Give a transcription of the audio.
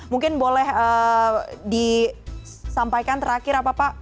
mungkin boleh disampaikan terakhir apa pak